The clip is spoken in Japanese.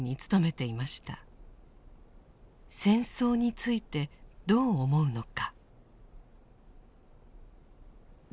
戦争についてどう思うのか。